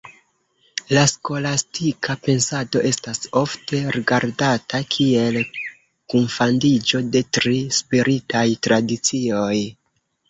La skolastika pensado estas ofte rigardata kiel kunfandiĝo de tri spiritaj tradicioj.